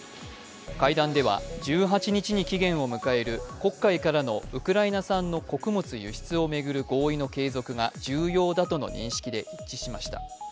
会談では１８日に期限を迎える黒海からのウクライナ産の穀物輸出を巡る合意の継続が重要だとの認識で一致しました。